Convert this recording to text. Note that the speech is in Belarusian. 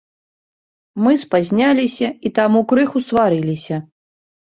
Мы спазняліся і таму крыху сварыліся.